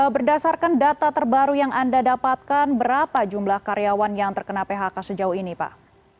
berdasarkan data terbaru yang anda dapatkan berapa jumlah karyawan yang terkena phk sejauh ini pak